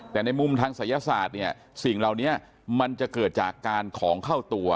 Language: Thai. แต่ในมุมทางศัยศาสตร์เนี่ยสิ่งเหล่านี้มันจะเกิดจากการของเข้าตัว